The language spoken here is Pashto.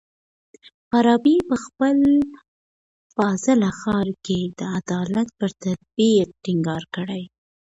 فارابي په خپل فاضله ښار کي د عدالت پر تطبيق ټينګار کړی.